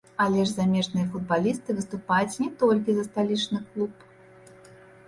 Але ж замежныя футбалісты выступаюць не толькі за сталічны клуб.